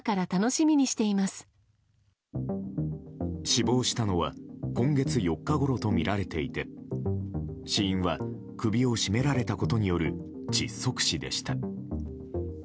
死亡したのは今月４日ごろとみられていて死因は首を絞められたことによる窒息死でした。